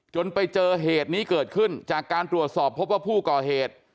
ไปเจอเหตุนี้เกิดขึ้นจากการตรวจสอบพบว่าผู้ก่อเหตุ